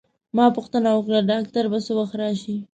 ما پوښتنه وکړه: ډاکټر به څه وخت راشي؟